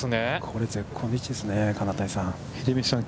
これ、絶好の位置ですね、金谷さん。